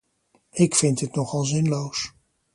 Ik vind dit nogal zinloos.